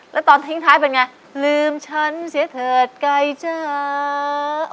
แล้วตอนทิ้งท้ายเป็นไงลืมฉันเสียเถิดไกลจ้า